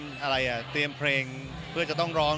เริ่มเตรียมเตรียมเพลงเพื่อจะต้องร้อน